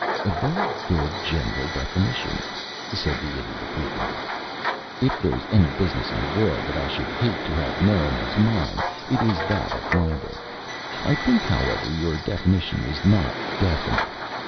"A very good general definition," said the Idiot, approvingly. "If there's any business in the world that I should hate to have known as mine it is that of libel. I think, however, your definition is not definite.